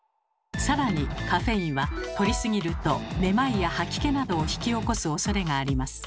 更にカフェインはとりすぎるとめまいや吐き気などを引き起こすおそれがあります。